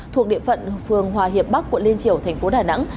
thuộc địa phận phường hòa hiệp bắc quận liên triểu tp đà nẵng